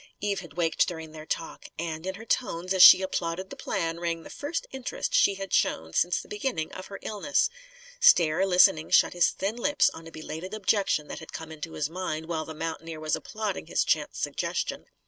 Eve had waked, during their talk. And, in her tones, as she applauded the plan, rang the first interest she had shown since the beginning of her illness. Stair, listening, shut his thin lips on a belated objection that had come into his mind while the mountaineer was applauding his chance suggestion.